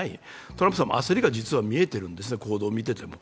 トランプさんも焦りが見えているんですね、行動を見てても。